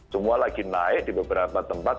semua lagi naik di beberapa tempat